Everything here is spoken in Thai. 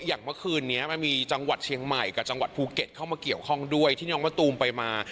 อย่างเมื่อคืนนี้มันมีจังหวัดเชียงใหม่กับจังหวัดภูเก็ตเข้ามาเกี่ยวข้องด้วยที่น้องมะตูมไปมา